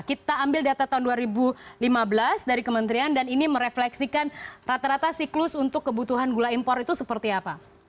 kita ambil data tahun dua ribu lima belas dari kementerian dan ini merefleksikan rata rata siklus untuk kebutuhan gula impor itu seperti apa